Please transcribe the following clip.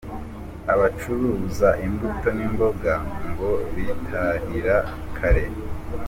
Abacuruza imbuto n’imboga ngo bitahira kare.